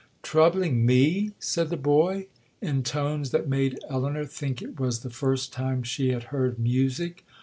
'Troubling me!' said the boy, in tones that made Elinor think it was the first time she had heard music.